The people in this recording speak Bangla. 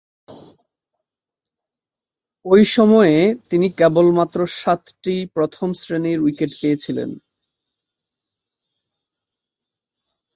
ঐ সময়ে তিনি কেবলমাত্র সাতটি প্রথম-শ্রেণীর উইকেট পেয়েছিলেন।